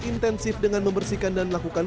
intensif dengan membersihkan dan melakukan